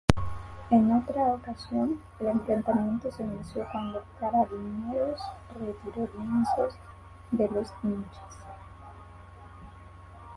En otra ocasión, el enfrentamiento se inició cuando Carabineros retiró lienzos de los hinchas.